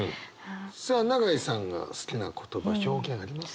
さあ永井さんが好きな言葉表現あります？